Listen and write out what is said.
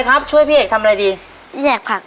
ในเวลา๓นาทีครับ